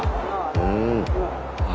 うん。